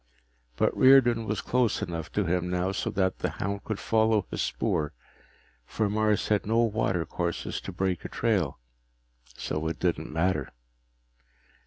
But Riordan was close enough to him now so that the hound could follow his spoor, for Mars had no watercourses to break a trail. So it didn't matter.